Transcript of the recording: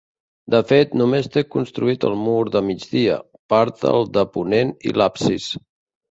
De fet, només té construït el mur de migdia, part del de ponent i l'absis.